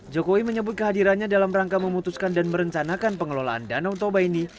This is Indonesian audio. jokowi menyebut kehadirannya dalam rangka memutuskan dan merencanakan pengelolaan danau toba ini